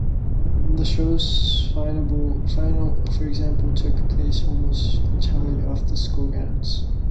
The show's finale, for example, took place almost entirely off the school grounds.